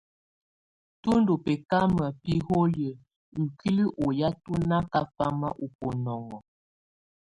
Tù ndù bɛkamɔ̀ biholiǝ́ ikuili ɔ́ ya tù na kafama ù bunɔŋɔ.